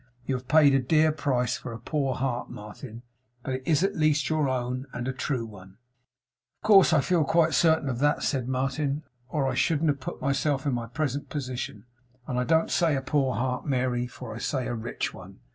You have paid a dear price for a poor heart, Martin; but it is at least your own, and a true one.' 'Of course I feel quite certain of that,' said Martin, 'or I shouldn't have put myself in my present position. And don't say a poor heart, Mary, for I say a rich one.